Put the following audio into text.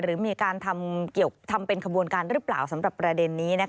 หรือมีการทำเป็นขบวนการหรือเปล่าสำหรับประเด็นนี้